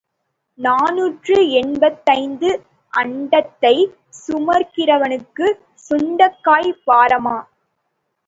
நாநூற்று எண்பத்தைந்து அண்டத்தைச் சுமக்கிறவனுக்குச் சுண்டைக்காய் பாரமா?